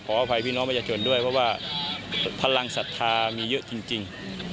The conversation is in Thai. อภัยพี่น้องประชาชนด้วยเพราะว่าพลังศรัทธามีเยอะจริง